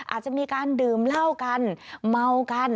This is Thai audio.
อาจจะมีการดื่มเหล้ากันเมากัน